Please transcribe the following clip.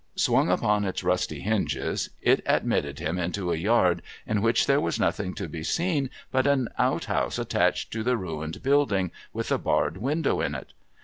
Swung upon its rusty hinges, it admitted him into a yard in which there was nothing to be seen but an outhouse attached to the ruined l)uilding, with a barred window in it.